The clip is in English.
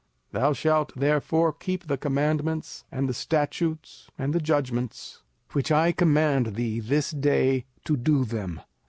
05:007:011 Thou shalt therefore keep the commandments, and the statutes, and the judgments, which I command thee this day, to do them.